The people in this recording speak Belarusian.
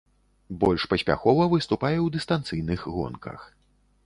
Больш паспяхова выступае ў дыстанцыйных гонках.